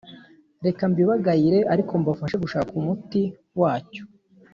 Reka mbibagayire ariko mbafashe gushaka umuti wacyo